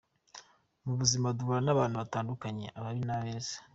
Mu buzima duhura n’abantu batandukanye : Ababi n’abeza.